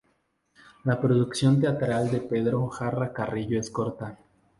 La producción teatral de Pedro Jara Carrillo es corta.